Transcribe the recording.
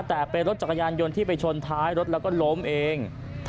แต่เป็นรถจักรยานยนต์ที่ไปชนท้ายรถแล้วก็ล้มเอง